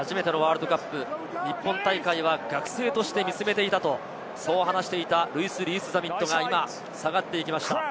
初めてのワールドカップ、日本大会は学生として見つめていたと話す、リース＝ザミットが今、下がっていきました。